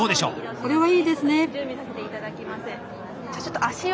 これはいいですね！